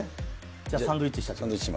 じゃあサンドイッチして。